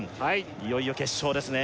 いよいよ決勝ですね